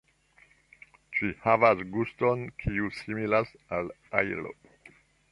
Ĝi havas guston, kiu similas al ajlo.